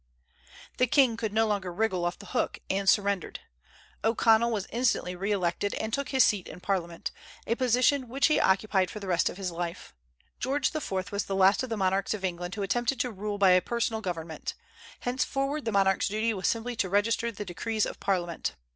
"The king could no longer wriggle off the hook," and surrendered. O'Connell was instantly re elected, and took his seat in Parliament, a position which he occupied for the rest of his life. George IV. was the last of the monarchs of England who attempted to rule by personal government. Henceforward the monarch's duty was simply to register the decrees of Parliament.